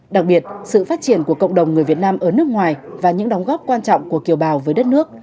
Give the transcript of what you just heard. đặc biệt sự phát triển của cộng đồng người việt nam ở nước ngoài và những đóng góp quan trọng của kiều bào với đất nước